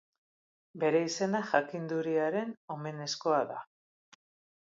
Bere izena, jakinduriaren omenezkoa da.